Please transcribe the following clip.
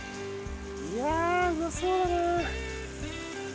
いやあうまそうだな。